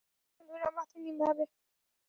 আচ্ছা, বন্ধুরা, বাতি নিভাব।